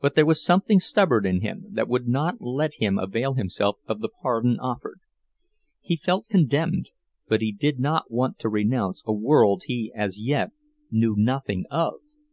But there was something stubborn in him that would not let him avail himself of the pardon offered. He felt condemned, but he did not want to renounce a world he as yet knew nothing of.